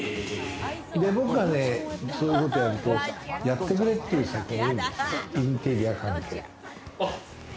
僕がね、そういうことやると、やってくれって言う人が多いんだよ、インテリア関係。